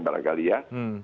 para kalian ya